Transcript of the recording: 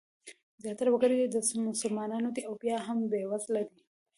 زیاتره وګړي یې مسلمانان دي او بیا هم بېوزله دي.